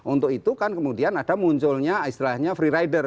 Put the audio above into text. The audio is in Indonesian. untuk itu kan kemudian ada munculnya istilahnya free rider